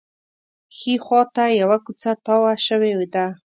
ښي خوا ته یوه کوڅه تاوه شوې ده.